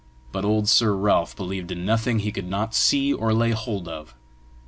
but old Sir Ralph believed in nothing he could not see or lay hold of.